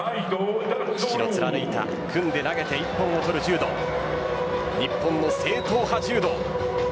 父の貫いた、組んで投げて一本を取る柔道日本の正統派柔道。